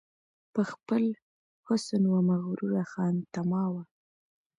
په خپل حسن وه مغروره خانتما وه